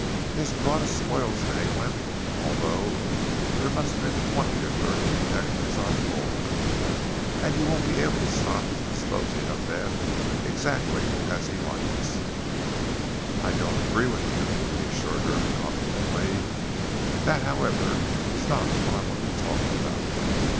"He has brought his spoils to England, although there must have been twenty or thirty detectives on board, and you won't be able to stop his disposing of them exactly as he likes." "I don't agree with you," he assured her confidently. "That, however, is not what I want to talk about.